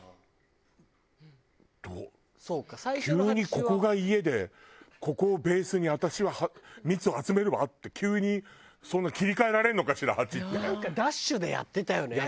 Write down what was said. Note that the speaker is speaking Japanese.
急に「ここが家でここをベースに私はミツを集めるわ」って急にそんな切り替えられるのかしらハチって。やってたよ昔ね。